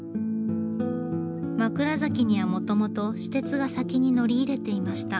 枕崎にはもともと私鉄が先に乗り入れていました。